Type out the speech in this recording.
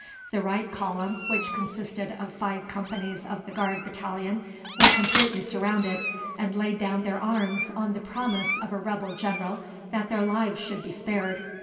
The right column, which consisted of five companies of the Guard battalion, were completely surrounded, and laid down their arms on the promise of a rebel general that their lives should be spared.